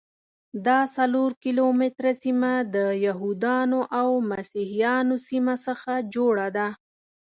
دا څلور کیلومتره سیمه د یهودانو او مسیحیانو سیمو څخه جوړه ده.